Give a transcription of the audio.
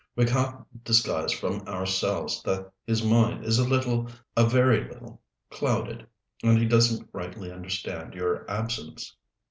We can't disguise from ourselves that his mind is a little a very little clouded, and he doesn't rightly understand your absence."